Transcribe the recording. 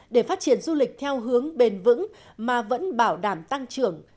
để phát triển du lịch theo hướng bền vững mà vẫn bảo đảm tăng trưởng